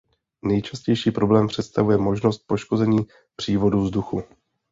Nejčastější problém představuje možnost poškození přívodu vzduchu.